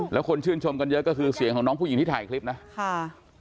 แล้วคนชื่นชมกันเยอะก็คือเสียงของน้องผู้หญิงที่ถ่ายคลิปนะค่ะ